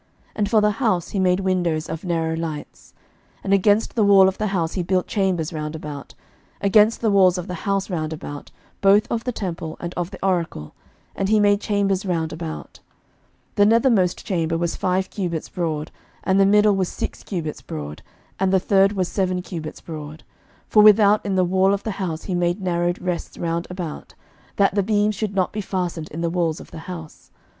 11:006:004 And for the house he made windows of narrow lights. 11:006:005 And against the wall of the house he built chambers round about, against the walls of the house round about, both of the temple and of the oracle: and he made chambers round about: 11:006:006 The nethermost chamber was five cubits broad, and the middle was six cubits broad, and the third was seven cubits broad: for without in the wall of the house he made narrowed rests round about, that the beams should not be fastened in the walls of the house.